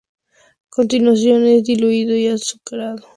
A continuación es diluido y azucarado.